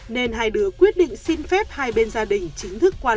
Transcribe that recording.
nên hai đứa quyết định xin phép hai bên gia đình chính thức quan